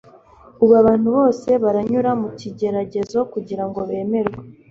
ubu abantu bose baranyura mu kigeragezo kugira ngo bemerwe